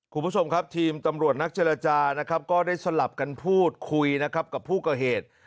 คุณผู้ชมครับทีมตำรวจนักเจรจานะครับก็ได้สลับกันพูดคุยนะครับกับผู้ก่อเหตุ